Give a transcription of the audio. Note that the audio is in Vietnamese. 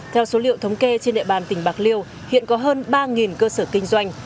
theo số liệu thống kê trên địa bàn tỉnh bạc liêu hiện có hơn ba cơ sở kinh doanh